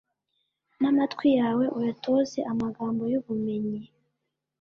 n’amatwi yawe uyatoze amagambo y’ubumenyi